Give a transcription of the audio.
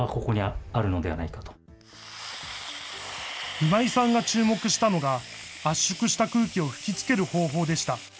今井さんが注目したのが、圧縮した空気を吹きつける方法でした。